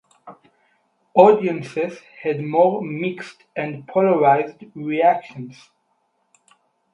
Audiences had more mixed and polarised reactions.